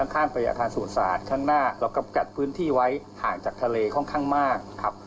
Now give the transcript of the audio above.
ข้างไปอาคารสู่ศาสตร์ข้างหน้าแล้วก็กัดพื้นที่ไว้ห่างจากทะเลค่อนข้างมากครับ